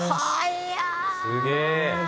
すげえ。